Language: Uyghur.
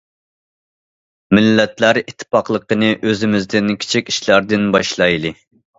مىللەتلەر ئىتتىپاقلىقىنى ئۆزىمىزدىن، كىچىك ئىشلاردىن باشلايلى.